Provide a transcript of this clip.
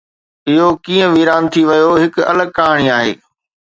اهو ڪيئن ويران ٿي ويو، هڪ الڳ ڪهاڻي آهي.